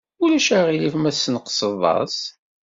Ulac aɣilif ma tesneqsed-as?